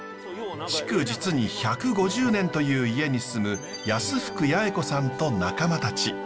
築実に１５０年という家に住む安福八重子さんと仲間たち。